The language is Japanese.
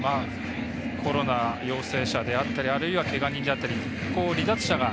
コロナ陽性者であったりあるいはけが人であったり、離脱者が。